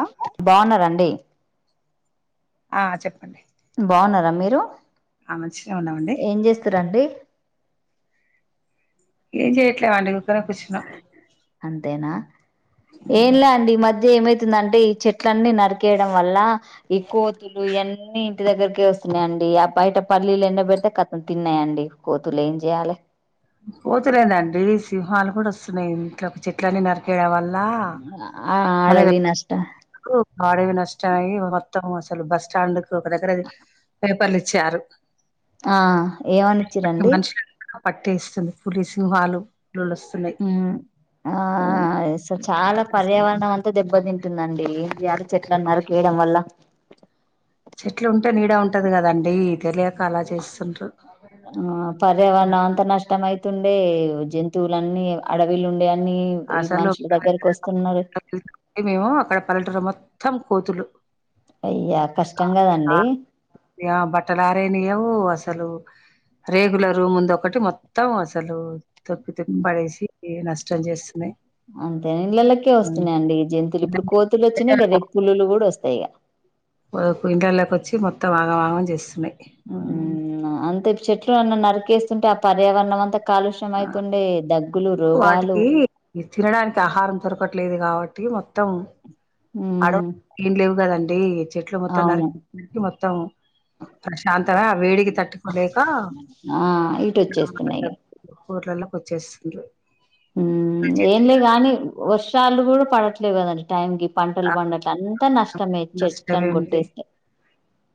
ఆ బావున్నరండి? ఆ చెప్పండి బావున్నారా మీరు? ఆ మంచినే ఉన్నామండి ఏం చేస్తారండి? ఏం చేయట్లే వండి ఊర్కనే కూచున్నా అంతేనా ఏన్లా అండి మద్ ఏమైతుందంటే ఈ చెట్లన్నీ నరికేయడం వల్ల ఈ కోతులు ఇయన్ని ఇంటి దగ్గరకి వస్తే న్నాండి ఆ బయట పల్లీలెండబెడితే కతం తిన్నాయండి కోతులు ఏం చేయాలి? కోతులేనండి సింహాలు కూడా వస్తున్నాయి ఇంట్లో క్ చెట్లన్నీ నరికేయేడం వళ్ళ గా మనఏ కు మడవినే వచ్చాయి వత్తం అసలు బస్ స్టాండ్ కు ఒక దగ్గరది పేపర్లిచ్చారు. ఆ ఏమనిచ్చిరండి? పట్టే ఇస్తుంది పులి సింహాలూ ఉమ్ ఆస చాలా పర్యావరణం అంతా దెబ్బతింటుందండి. ఏం చేయాలి చెట్లను నరికేయడం వల్ల చెట్లు ఉంటే నీడా ఉంటది కదండి తెలియద్ ఆ పర్యావరణం అంత నష్టమయి తుండే జంతువులన్నీ అడవిలుండే అం ఆసాలో మేము అక్కడ పల్లెటూర్ల మొత్తం కోతులు అయ్యా ఆ కష్టం ఆ కదండి ఇగా బట్టలారెయ్యనియ్యవ్ అస్ అసలు రేగుల రూమ్ ఉందొకటి మొత్తం అసలు తొక్కి తొక్కి పడేసి ఈ నష్టం చేస్తున్నాయి అందరిడ్లళ్లకి వస్తున్నాయండి జంతువులు ఇప్పుడు కోతులు వచ్చినాయి కదా పులులు కూడా వొస్ తయిగ వబిన్ ఇంట్లల్లోకీ వచ్చి మొత్తం ఆగం ఆగం చేస్తున్నయ్ ఉన్నా అంతే చెట్లున్నా నరికేస్తుంటే ఆ పర్యావరణమంతా కాలుష్యం ఆ! అయితుండే దగ్గులు, రోగాలు వాటికి తినడానికి ఆహారం దొరకట్లేదు కాబట్టి మొత్తం హ్మ్. అడవ్ ఏం లేవు కదండి చెట్లు మొత్తం అవును నరికి మొత్తం ప్రశాంతగా వేడికి తట్టుకోలేక ఆ ఇటొచ్చేస్తున్నాయి ఇగ ఊర్లల్లకొచ్చేస్తుండ్రు. ఉమ్ ఏంలే గానీ వర్షాలు కూడా పడట్లేవు కదండి టైంకి. పంటలు పండట్ అంతా నష్టమే చెట్లను కొట్టేస్తే.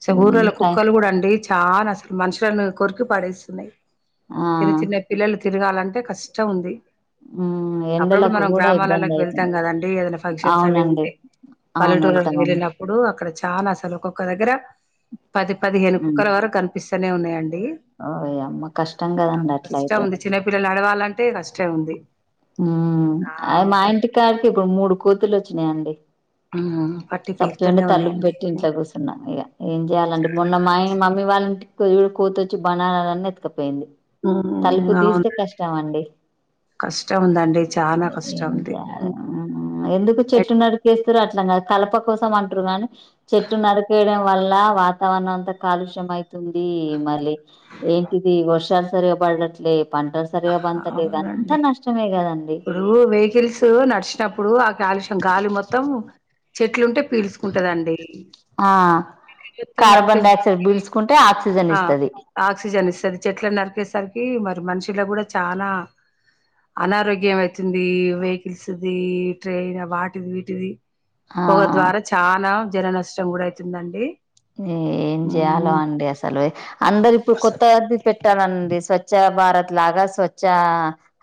స ఊరల కుక్కలు కూడా అండి చాలా అసలు మనుషులను కొరికి పడేస్తున్నాయి. ఆ! చిన్న చిన్న పిల్లలు తిరగాలంటే కష్టం ఉంది. ఉమ్ అప్పుడప్పుడు మనం గ్రామాలలకు వెళ్తాం కదండి ఏదైనా ఫంక్షన్స్ అవి ఇవి అవునండి. ఉంటే. అవును. పల్లెటూరుకి ఎళ్తామండి. వెళ్ళినప్పుడు అక్కడ చానా అసలు ఒక్కొక్క దగ్గర. పది పదిహేను హ్మ్. కుక్కల వరకు కనిపిస్తూనే ఉన్నాయండి. ఓయమ్మ! కష్టం నా గదండీ కష్టం అట్లయితే. ఉంది చిన్నపిల్లలు నడవాలంటే కష్టం ఉంది. ఉమ్ ఆ అదే మా పట్ ఇంటికాడికి ఇప్పుడు మూడు కోతులు వచ్చినాయండి. ఉమ్ అవునా. సప్పే చేయకుండా తలుపులు పెట్టి ఇంట్లా కూర్చున్నా ఇగ. ఏం చెయాలండి మొన్న మా ఇం మమ్మీ వాళ్ళింటికి కోతొచ్చి బనానాలన్నీ ఎతుకపో. పోయింది హ్మ్. తలుపు అవును. తీస్తే కష్టం అండి. కష్టం ఉందండి. చానా కష్టం ఏం ఉంది. హ్మ్. చేయాల్నో ఎందుకు చెట్టు ఎట్ నరికేస్తున్నారో అర్థ. కలప కోసం అంటారు కానీ చెట్టు నరికేయడం వల్ల వాతావరణం అంతా కాలుష్యం అయితుంది. ఈ మళ్ళీ ఏంటిది వర్షాలు సరిగా పడట్లే. పంటలు సరిగా బంతలే ఇద అంతా అవునండి. నష్టంమే ఇగ. ఇప్పుడు వెహికల్స్ నడిచినప్పుడు ఆ కాలుష్యం గాలి మొత్తం చెట్లు ఉంటే. పీలుసుకుంటదండి. ఆ! చెట్లను కార్బన్ నరికేసి డయాక్సైడ్ పీల్చుకుంటే ఆక్సిజన్ ఆహ్ ఇస్తది. ఆక్సిజన్ ఇస్తది చెట్లను నరికేసరికి. మరి మనుషుల కూడా చానా. అనారోగ్యం అయితుంది వెహికల్స్ది ట్రైన్ వాటిది వీటిది. ఆ! పొగ ద్వారా చానా జన నష్టం కూడా అయితుందండి. ఏం చేయాలో హ్మ్. అండి అసలు అందరు ఇప్పుడు అసలు కొత్త అది పెట్టు. చట్టరండి స్వచ్ఛ భారత్ లాగా స్వచ్ఛ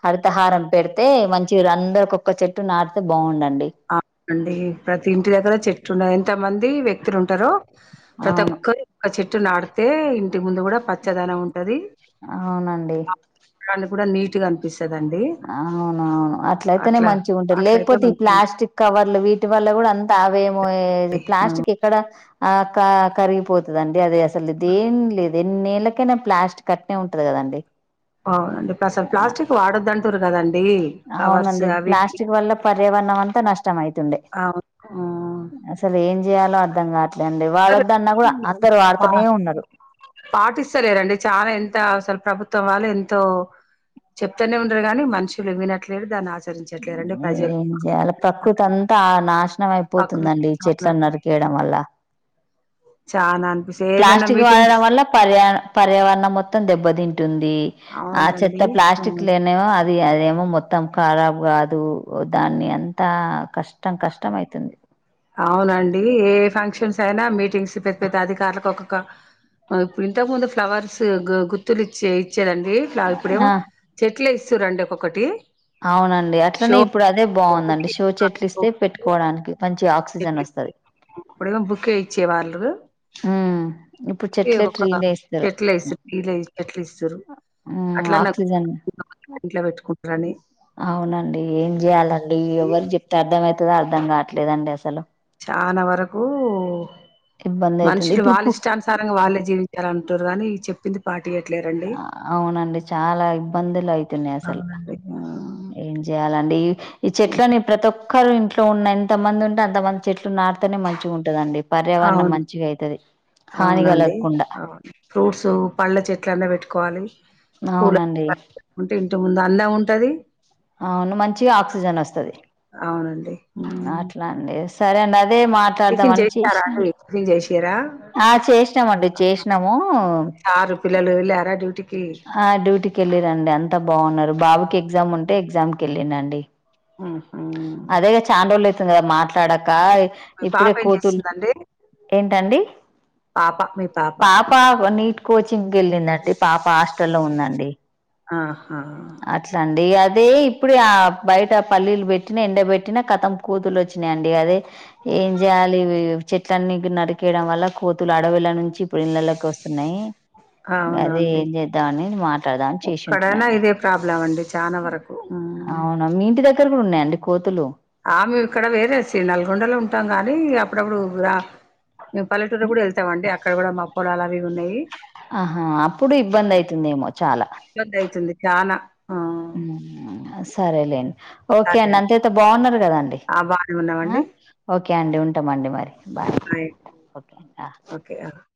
హరితహారం పెడితే మంచిది అందరు. ఒక్క చెట్టును నాటితే బాగుండాలి. అవునండి ప్రతి ఇంటి దగ్గర చెట్టు ఉన్నాయంత. కొంత మంది వ్యక్తులు ఉంటారో ప్రతి అవును ఒక్కరి చెట్. ట్టు నాటితే ఇంటి ముందు కూడా పచ్చదనం ఉంటు. అవునండి. దన్ని కూడా నీట్గానిపిస్. అవునవును అట్లయితేనే అట్లా మంచిగుంటంది అట్లయితే లేకపోతే ఈ మంచిది. ప్లాస్టిక్. కవర్లు వీటి వల్ల కూడా అంత అవేమో ఆ! ప్లాస్టిక్ ఎక్కడ. ఆహ్ క కరిగిపోతుందిండి అది అసలు దేం లేదు ఎన్నేళ్ళకి. ఎట్లైనా ప్లాస్టిక్ అట్నే ఉంటది కదండి. అవునుండి అసలు ప్లాస్టిక్ వాడ. వద్దాంటూరు కదండి కవర్స్ అవునండి అవి ఇవి. ఇష్టమైతుండే అవును. హ్మ్. అసలు ఏం చేయాలో అర్థం కావట్. లేండి సరే. వాడొద్దు అన్నా కూడా అందరు పా వాడుతూనే ఉన్నారు. పాటిస్తలేరండి చాలా ఎంత అసలు. ప్రభుత్వం వాళ్ళు ఎంతో చెప్తూనే ఉండరు గాని మనుషులు వినట్లేదు దాన్ని ఆచ. ఎమో ఏం చేయాలి ప్రకృతి అంతా నాశనం ప్రకృతి అయిపోతుందండి ఈ చెట్లను అవునండి నరికేయడం. వల్ల. చానా అనిపిస్త ఏదైనా ప్లాస్టిక్ వాడడం మీటింగ్స్ వల్ల పర్యా పర్యావరణం మొత్తం దెబ్బతింటు. తుంది ఆ చెత్త అవునండి ప్లాస్టిక్ ఉమ్. లేమో అది అదేమో మొత్తం కారాబ్. కాదు దాన్ని అంతా కష్టం కష్టం అయితుంది. అవునండి ఏ ఫంక్షన్స్ అయినా మీటింగ్స్ పెద్ద పెద్ద అధికారులకు ఒక్కొక్క. ఆహ్ ఇప్పుడు ఇంతకు ముందు ఫ్లవర్స్ గు గుత్తులు ఇచ్చే ఇచ్చేదండి ఇప్పుడేమో ఆ చెట్. ఎట్లా ఇస్తున్నారండి ఒక్కొక్కటి. అవునండి షో అట్లనే ఇప్పుడు అదే బాగుందండి షో చెట్లిస్తే పెట్టుకోవడానికి మంచిగ. అప్పుడేమో బుకే యిచ్చే వాళ్లు. ఉమ్ ఇప్పుడు ఏమో చెట్లే ఒక ట్రీలే ఇస్తారు చేట్ల్ ఎషింరు కిలే ఎషింరు చేట్ల్ ఎస్తున్రు. మ్మ్ అట్లా నాన్ ఆక్సిజన్ ఇంట్లా పెట్టుకుండ్. అవ్నండి ఏం చెయాలండి ఎవరికి చెప్తే అర్ధం అయితదో అర్ధం కావట్లేదండి అసలు. చానా వరకు ఇబ్బంది అయితుంది మనుషులు ఇప్పుడు వాళ్ళ పు ఇష్టానుసారంగా వాళ్ళే జీవించాలం. గానీ చెప్పింది పాట్. అవునండి చాలా ఇబ్బందులు అయితున్నాయి అసలు. అవునండి. ఏం చెయాలండి ఈ చెట్లని ప్రతీ ఒక్క. ఒక్కారు ఇంట్లో ఉన్నంత ఎంత మంది ఉంటే అంతమంది చెట్లు నాటుతేనే మంచిగ్ ఉంటాందండి. పర్యావరణం మంచిగ అయితది. హాని అవ్నండి కలగకుండా అవును ఫ్రూట్స్ పళ్ళ చెట్లలన్ పెట్ట్. అవ్నండి. ఇంతకు ముందు అన్న ఉంటది. అవ్ను మంచిగా ఆక్సిజన్ ఒస్తది. అవునండి. హ్మ్ అట్లా అండి సరే అండి అదే టిఫిన్ మాట్లాడ్దామని చేశారా చేశ్నాండి. అండి టిఫిన్ చేసిర్రా ఆహ్ చేశ్నామండి ఆహా! చేశ్నాము. సారు పిల్లలు ఎళ్ళారా డ్యూటీకి ఆహ్ డ్యూటీకి ఏళ్ళి రండి అంతా బాగున్నారు బాబుకి ఎగ్జామ్ ఉంటే ఎగ్జామ్ కి ఏళ్ళిడండి. ఆహ్. కదా మాట్లాడాక ఇప్పుడే పాప ఏం కోతుళ్లు చేస్తుందండి? ఏంటండీ. పాప మీ పాప వాన్నిట్. కోచింగ్కి ఏళ్ళిందట్టి పాప హాస్టల్ లో ఉందండి ఆహా! అట్లాండి అద్. అదే ఇప్పుడే ఆ బైట పల్లీలు పెట్టినా ఎండబెట్టినా కతం కోతులు ఒచ్చినైయండి అదే. ఏం చేయాలి చెట్లన్ని నర్కేయడం వల్ల కోతులు అడవిల నుంచి. ఇప్పుడు ఇళ్లలకు ఒస్తున్నాయి ఇగ అద్. అదే అవునండి. ఏం చేద్దామని మాట్లాడ్దాం అని ఎక్కడైనా చేసింటనండి ఇదే ప్రాబ్లం అండి చాలా వరకు ఉమ్. ఆవును మీ ఇంటి దగ్గర్. అక్కడ కూడా ఉన్నాయండి కోతులు. ఆహ్ మేమ్ ఇక్కడ వేరేసి నల్గొండలో ఉంటాం గానీ అప్పుడప్పుడు రా. మేమ్ పల్లెటూరులో కూడా ఏళ్తాం అండి అక్కడ్ కూడా మా పొలాలు అవి ఇవి ఉన్నాయి. ఆహా! అప్పుడు ఇబ్బంది అయితుందేమో చాలా. ఇబ్బంది అయితుంది చాలా ఉమ్ సరేలేండి ఓకే సరే అండి అంతేతే బావుంన్నారు కదాండి. బాగానే ఉన్నామండి ఆహ్ ఓకే అండి ఉంటామండి మరి బాయ్ ఓకే ఆహ్. ఓకే ఆ!